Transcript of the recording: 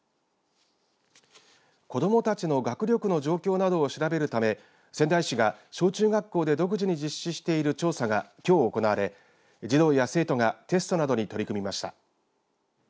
子どもたちの学力の状況などを調べるため仙台市が小中学校で独自に実施している調査がきょう行われ児童や生徒がテストなどに取り組みました。